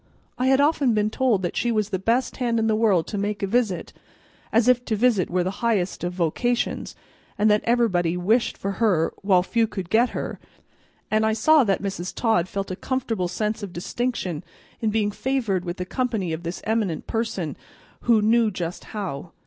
I had often been told that she was the "best hand in the world to make a visit," as if to visit were the highest of vocations; that everybody wished for her, while few could get her; and I saw that Mrs. Todd felt a comfortable sense of distinction in being favored with the company of this eminent person who "knew just how."